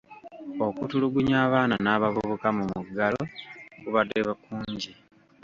Okutulugunya abaana n'abavubuka mu muggalo kubadde kungi.